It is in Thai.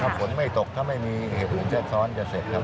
ถ้าฝนไม่ตกถ้าไม่มีเหตุอื่นแทรกซ้อนจะเสร็จครับ